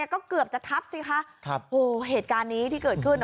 ก็เกือบจะทับสิคะครับโอ้เหตุการณ์นี้ที่เกิดขึ้น